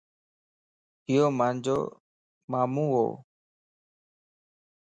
ايو مانجو مامون وَ